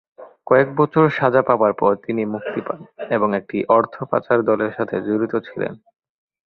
কয়েক বছর সাজা পাবার পর তিনি মুক্তি পান, এবং একটি অর্থ পাচার দলের সাথে জড়িত ছিলেন।